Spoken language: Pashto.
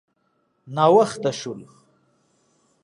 _ناوخته شول.